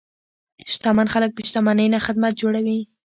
شتمن خلک د شتمنۍ نه خدمت جوړوي.